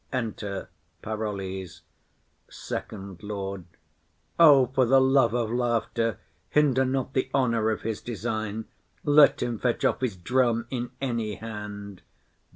Enter Parolles. FIRST LORD. O, for the love of laughter, hinder not the honour of his design: let him fetch off his drum in any hand.